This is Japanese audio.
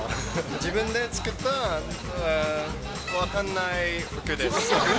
自分で作った、分かんない服です。